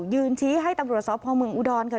ยืนชี้ให้ตำรวจสพเมืองอุดรค่ะ